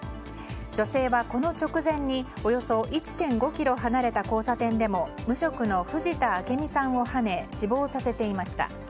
女性はこの直前におよそ１．５ｋｍ離れた交差点でも無職の藤田明美さんをはね死亡させていました。